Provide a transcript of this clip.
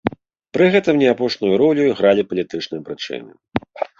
Пры гэтым не апошнюю ролю гралі палітычныя прычыны.